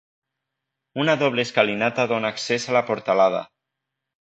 Una doble escalinata dóna accés a la portalada.